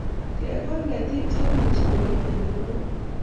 ke gol ketik cheimuci kobit eng' kemeut